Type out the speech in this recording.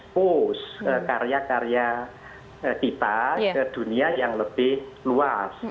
nanti bisa menarik karya karya kita ke dunia yang lebih luas